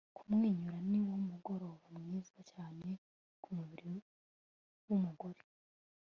kumwenyura niwo murongo mwiza cyane ku mubiri wumugore